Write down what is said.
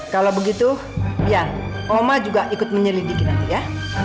kalau begitu ya oma juga ikut menyelidiki nanti ya